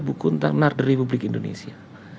buku tentang menarik dari publik indonesia